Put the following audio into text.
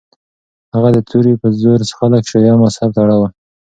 هغه د توري په زور خلک شیعه مذهب ته اړول.